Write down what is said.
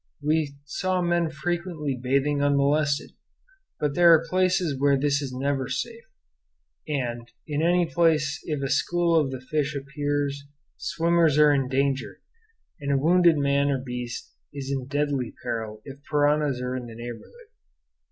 We saw men frequently bathing unmolested; but there are places where this is never safe, and in any place if a school of the fish appear swimmers are in danger; and a wounded man or beast is in deadly peril if piranhas are in the neighborhood.